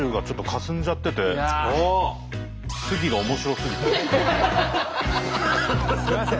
すいません。